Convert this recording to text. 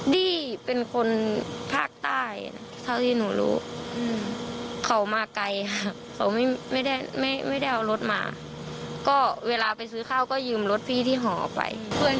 ดี้เป็นคนภาคใต้เขามาไกลไม่ได้เอารถมาเวลาไปซื้อข้าวก็ยืมรถพี่ที่หอไป